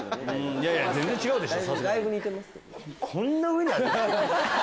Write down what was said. いやいや全然違うでしょ！